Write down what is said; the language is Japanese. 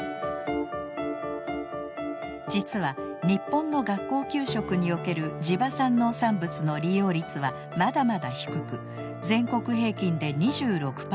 実は日本の学校給食における地場産農産物の利用率はまだまだ低く全国平均で２６％。